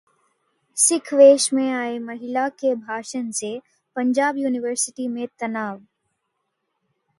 सिख वेश में आई महिला के भाषण से पंजाब यूनिवर्सिटी में तनाव